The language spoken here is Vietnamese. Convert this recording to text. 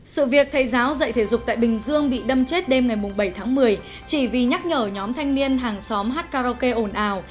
sự việc thầy giáo dạy thể dục tại bình dương bị đâm chết đêm ngày bảy tháng một mươi chỉ vì nhắc nhở nhóm thanh niên hàng xóm hát karaoke ồn ào